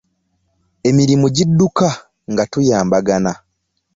Emirimu gidduka nga tuyambagana.